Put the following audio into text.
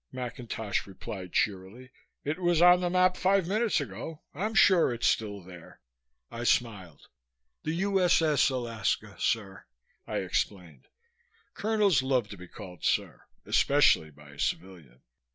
McIntosh replied cheerily. "It was on the map five minutes ago. I'm sure it's still there." I smiled. "The U.S.S. Alaska, sir," I explained. Colonels love to be called "Sir," especially by a civilian.